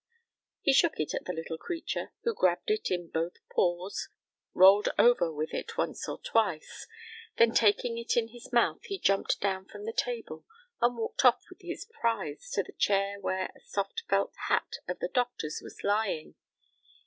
He shook it at the little creature, who grabbed it in both paws, rolled over with it once or twice, then taking it in his mouth he jumped down from the table and walked off with his prize to the chair where a soft felt hat of the doctor's was lying.